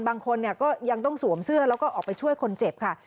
บางคนก็ยังต้องสวมเสื้อแล้วก็ออกไปช่วยคนเจ็บค่ะ